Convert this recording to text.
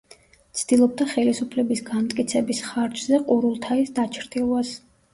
ცდილობდა ხელისუფლების განმტკიცების ხარჯზე ყურულთაის დაჩრდილვას.